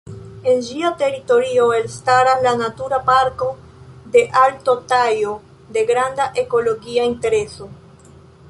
En ĝia teritorio elstaras la Natura Parko de Alto Tajo, de granda ekologia intereso.